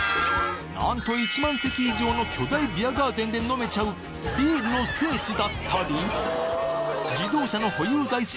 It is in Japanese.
なんと１万席以上の巨大ビアガーデンで飲めちゃうビールの聖地だったり自動車の保有台数